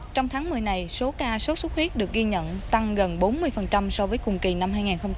trong tháng một mươi này số ca sốt xuất huyết được ghi nhận tăng gần bốn mươi so với cùng kỳ năm hai nghìn hai mươi ba